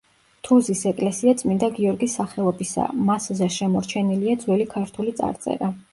თუზის ეკლესია წმინდა გიორგის სახელობისაა, მასზე შემორჩენილია ძველი ქართული წარწერა.